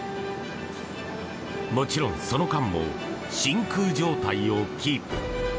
もちろんその間も真空状態をキープ。